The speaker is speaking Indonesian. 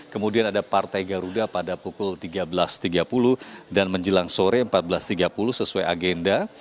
kemudian ada partai garuda pada pukul tiga belas tiga puluh dan menjelang sore empat belas tiga puluh sesuai agenda